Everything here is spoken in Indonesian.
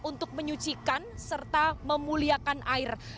untuk menyucikan serta memuliakan air